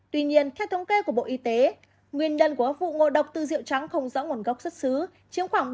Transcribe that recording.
tuy nhiên theo thống kê của bộ y tế nguyên nhân của vụ ngộ độc từ rượu trắng không rõ nguồn gốc xuất xứ chiếm khoảng ba mươi